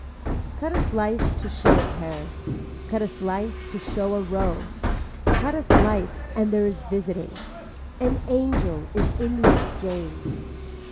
Cut a slice to show a pear, cut a slice to show a row, cut a slice and there is visiting. An angel is in the exchange.